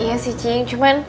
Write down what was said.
iya sih cing cuman